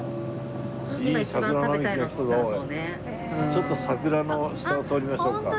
ちょっと桜の下を通りましょうか。